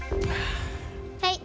はい。